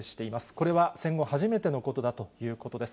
これは戦後初めてのことだということです。